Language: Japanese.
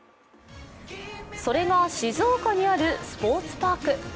それが静岡にあるスポーツパーク。